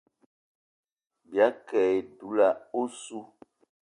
Bìayî ke e dula ossu.